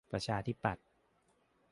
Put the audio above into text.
ประชาธิปัตย์